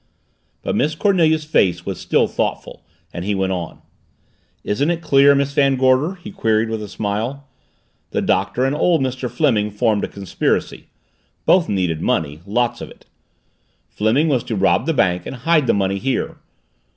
But Miss Cornelia's face was still thoughtful, and he went on: "Isn't it clear, Miss Van Gorder?" he queried, with a smile. "The Doctor and old Mr. Fleming formed a conspiracy both needed money lots of it. Fleming was to rob the bank and hide the money here.